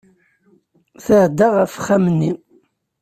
Tɛedda ɣef uxxam-nni.